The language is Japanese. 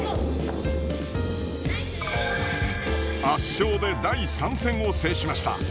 圧勝で第３戦を制しました。